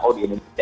oh di indonesia